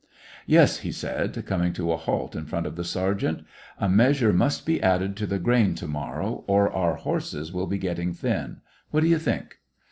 Yes," he said, coming to a halt in front of the 1 84 SEVASTOPOL IN AUGUST. sergeant ;" a measure must be added to the grain to morrow, or our horses will be getting thin. What do you think?"